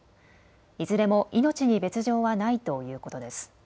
いずれも命に別状はないということです。